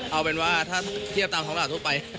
เอาเป็นว่าถ้าเทียบตามท้องตลาดทั่วไป